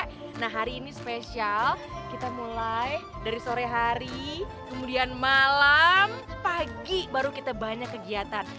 nah hari ini spesial kita mulai dari sore hari kemudian malam pagi baru kita banyak kegiatan